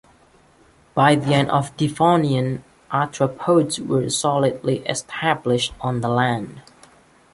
By the end of the Devonian, arthropods were solidly established on the land.